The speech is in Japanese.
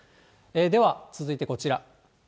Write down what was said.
では続いてこちら。